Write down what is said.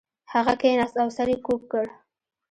هغه کښیناست او سر یې کږ کړ